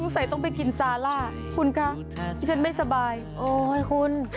ใส่ต้องไปกินซาร่าคุณคะที่ฉันไม่สบายโอ๊ยคุณ